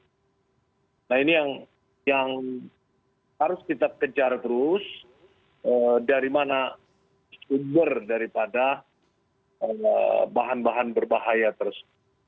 hai lain yang yang harus kita kejar terus dari mana judul daripada bahan bahan berbahaya terus